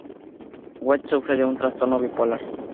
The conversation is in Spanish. Wentz sufre de un trastorno bipolar.